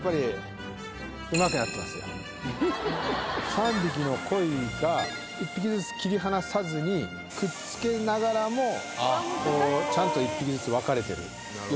３匹の鯉が１匹ずつ切り離さずにくっつけながらもちゃんと１匹ずつ分かれてるように見える。